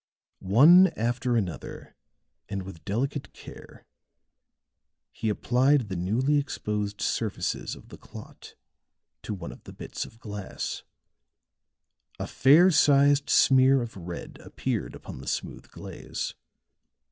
One after another and with delicate care he applied the newly exposed surfaces of the clot to one of the bits of glass; a fair sized smear of red appeared upon the smooth glaze.